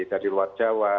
dari luar jawa